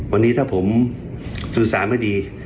วันนี้ถ้าผมสื่อสารไม่ดี